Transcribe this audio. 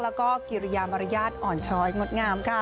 แล้วก็กิริยามารยาทอ่อนช้อยงดงามค่ะ